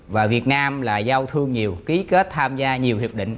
và việt nam là giao thương nhiều ký kết tham gia nhiều hiệp định